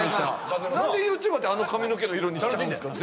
何でＹｏｕＴｕｂｅｒってあの髪の毛の色にしちゃうんですか